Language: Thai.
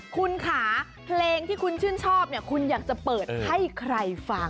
คุณค่ะเพลงที่คุณชื่นชอบเนี่ยคุณอยากจะเปิดให้ใครฟัง